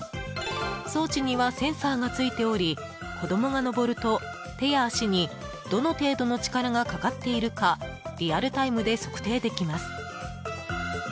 装置にはセンサーがついており子供が登ると手や足にどの程度の力がかかっているかリアルタイムで測定できます。